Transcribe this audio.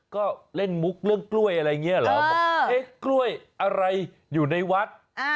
ก็เล่นมุกเรื่องกล้วยอะไรอย่างนี้เหรอบอกเอ๊ะกล้วยอะไรอยู่ในวัด